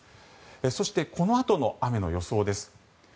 そしてこのあとの雨の予想です。